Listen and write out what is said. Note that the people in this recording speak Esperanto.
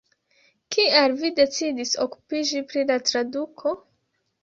Kial vi decidis okupiĝi pri la traduko?